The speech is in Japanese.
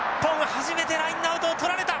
初めてラインアウトを捕られた！